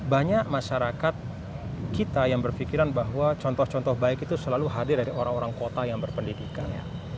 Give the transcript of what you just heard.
banyak masyarakat kita yang berpikiran bahwa contoh contoh baik itu selalu hadir dari orang orang kota yang berpendidikan